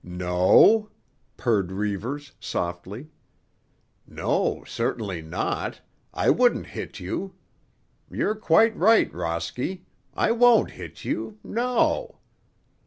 "No?" purred Reivers softly. "No, certainly not; I wouldn't hit you. You're quite right, Rosky. I won't hit you; no."